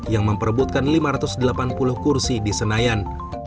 yang memperebutkan lima ratus delapan puluh kursi di senayan